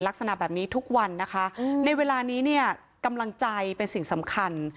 ลักษณะแบบนี้ทุกวันนะคะในเวลานี้เนี่ยกำลังใจเป็นสิ่งสำคัญ